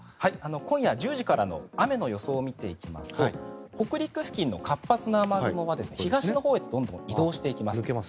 今夜１０時からの雨の予想を見てみますと北陸付近の活発な雨雲が東のほうへとどんどん移動していきます。